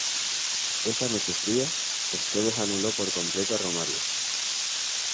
Esa fría noche, Esteves anuló por completo a Romario.